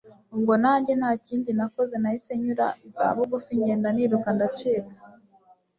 ubwo nanjye ntakindi nakoze nahise nyura izabugufi ngenda niruka ndacika